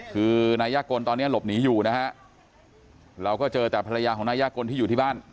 คือนายยากลตอนนี้หลบหนีอยู่นะฮะเราก็เจอแต่ภรรยาของนายยากลที่อยู่ที่บ้าน